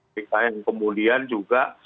pk yang kemudian juga